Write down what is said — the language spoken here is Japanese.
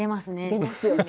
出ますよね。